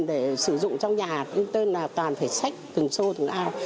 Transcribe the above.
để sử dụng trong nhà tên là toàn phải sách từng sô từng ao